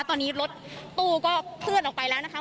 ตอนนี้รถตู้ก็เคลื่อนออกไปแล้วนะคะ